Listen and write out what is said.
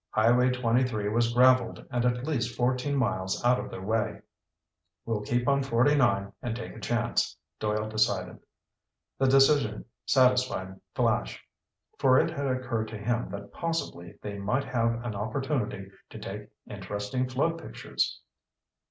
Highway 23 was graveled and at least fourteen miles out of their way. "We'll keep on 49 and take a chance," Doyle decided. The decision satisfied Flash, for it had occurred to him that possibly they might have an opportunity to take interesting flood pictures.